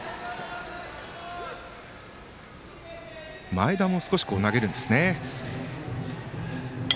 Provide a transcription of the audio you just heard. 前田も少し投げるんですね。